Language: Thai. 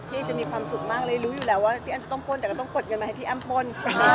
จะมีความสุขมากเลยรู้อยู่แล้วว่าพี่อ้ำจะต้องป้นแต่ก็ต้องกดเงินมาให้พี่อ้ำป้น